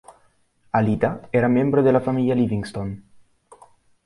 Alida era membro della famiglia Livingston.